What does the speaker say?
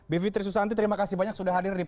bivitri susanti terima kasih banyak sudah hadir di